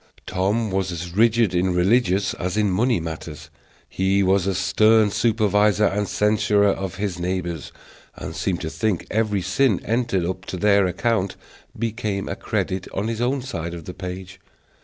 Tom was as rigid in religious as in money matters; he was a stern supervisor and censurer of his neighbors, and seemed to think every sin entered up to their account became a credit on his own side of the page.